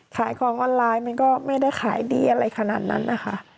ขายของออนไลน์มันก็ไม่ได้ขายดีอะไรขนาดนั้นนะคะ